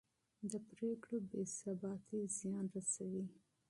د پرېکړو بې ثباتي زیان رسوي